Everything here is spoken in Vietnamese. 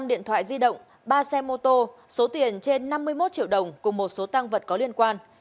năm điện thoại di động ba xe mô tô số tiền trên năm mươi một triệu đồng cùng một số tăng vật có liên quan